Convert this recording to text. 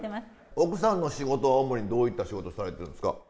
奥さんの仕事は主にどういった仕事されてるんですか？